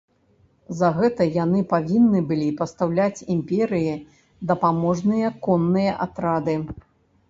За гэта яны павінны былі пастаўляць імперыі дапаможныя конныя атрады.